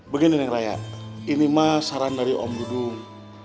begini neng raya ini mah saran dari om dudung